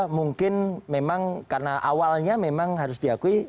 mungkin memang karena awalnya memang harus diakui